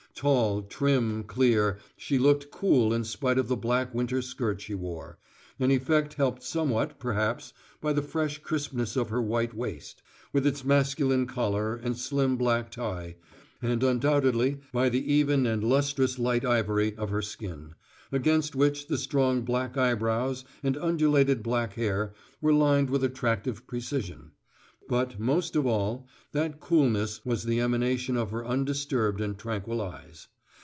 Tall, trim, clear, she looked cool in spite of the black winter skirt she wore, an effect helped somewhat, perhaps, by the crisp freshness of her white waist, with its masculine collar and slim black tie, and undoubtedly by the even and lustreless light ivory of her skin, against which the strong black eyebrows and undulated black hair were lined with attractive precision; but, most of all, that coolness was the emanation of her undisturbed and tranquil eyes.